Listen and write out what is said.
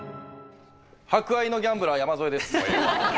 博愛のギャンブラー山添です。